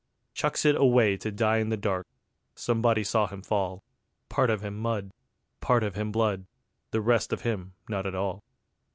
Chucks it away to die in the dark: Somebody saw him fall, Part of him mud, part of him blood, The rest of him not at all.